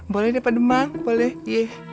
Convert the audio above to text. boleh deh pak demang boleh